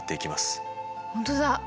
ほんとだ！